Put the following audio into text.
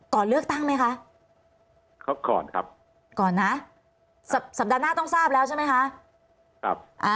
ก็ใกล้ละครับก็ประมาณกรกฎาเพื่อทราบ